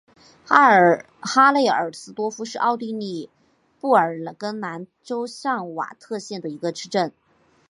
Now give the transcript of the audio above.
哈内尔斯多夫是奥地利布尔根兰州上瓦特县的一个市镇。